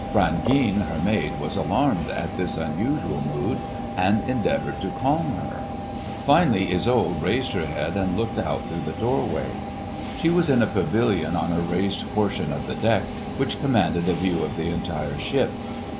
Brangeane her maid was alarmed at this unusual mood and endeavoured to calm her. Finally Isolde raised her head and looked out through the doorway. She was in a pavilion on a raised portion of the deck, which commanded a view of the entire ship.